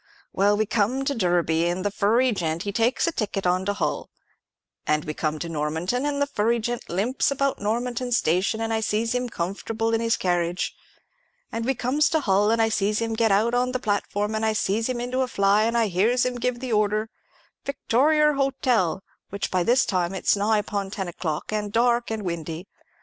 Well, we come to Derby, and the furry gent, he takes a ticket on to Hull; and we come to Normanton, and the furry gent limps about Normanton station, and I sees him comfortable in his carriage; and we comes to Hull, and I sees him get out on the platform, and I sees him into a fly, and I hears him give the order, 'Victorier Hotel,' which by this time it's nigh upon ten o'clock, and dark and windy.